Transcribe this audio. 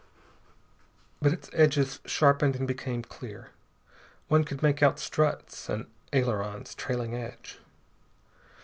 But its edges sharpened and became clear. One could make out struts, an aileron's trailing edge.